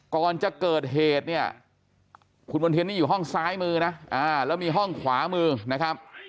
ก่อนจะเกิดเหตุเนี่ยคุณมณ์เทียนนี่อยู่ห้องซ้ายมือนะแล้วมีห้องขวามือนะครับ